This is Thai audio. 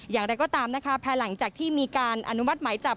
อย่างไรก็ตามแผลหลังจากที่มีการอนุมัติไหมจับ